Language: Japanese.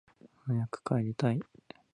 早く帰りたい